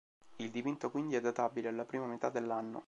Il dipinto, quindi, è databile alla prima metà dell'anno.